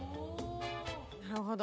なるほど。